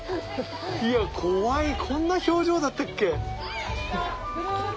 いや怖いこんな表情だったっけ？